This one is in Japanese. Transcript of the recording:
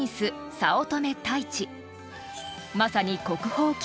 ［まさに国宝級］